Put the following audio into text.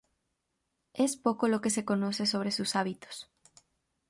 Es poco lo que se conoce sobre sus hábitos.